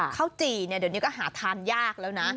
ข้าวจี่เนี่ยเดี๋ยวนี้ก็หาทานยากแล้วนะ